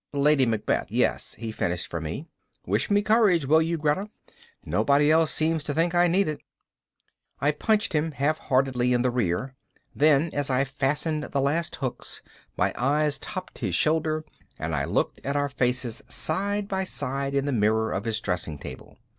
"Lady Macbeth, yes," he finished for me. "Wish me courage, will you Greta? Nobody else seems to think I need it." I punched him half heartedly in the rear. Then, as I fastened the last hooks, my eyes topped his shoulder and I looked at our faces side by side in the mirror of his dressing table.